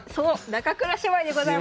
中倉姉妹でございます。